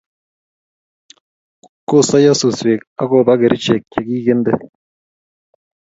kosaiyo suswek akoba kerichek che kikinde